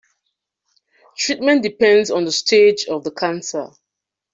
Treatment depends on the stage of the cancer.